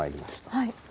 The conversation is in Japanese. はい。